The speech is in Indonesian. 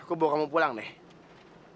aku bawa kamu pulang nih